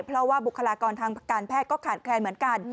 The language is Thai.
เพราะว่าบุคลากรทางการแพทย์ก็ขาดแคลนเหมือนกัน